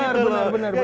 benar benar benar